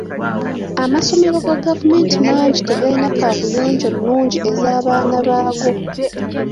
Amasomero ga gavument mangi tegalina kabuyonjo nnungi ez'abaana baago.